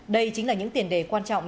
đây chính là những tiền đề quan trọng